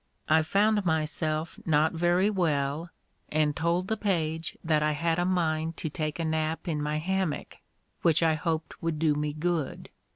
I found myself not very well, and told the page that I had a mind to take a nap in my hammock, which I hoped would do me good.